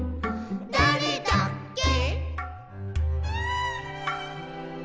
「だれだっけ」